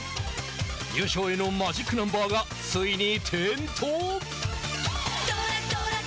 優勝へのマジックナンバーがついに点灯！